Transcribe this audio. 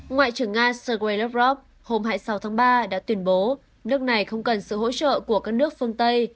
ngoại trưởng nga sergei lavrov hôm hai mươi sáu tháng ba đã tuyên bố nước này không cần sự hỗ trợ của các nước phương tây